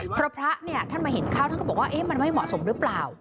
เพราะพระเนี่ยท่านมาเห็นเข้าท่านก็บอกว่ามันไม่เหมาะสมหรือเปล่า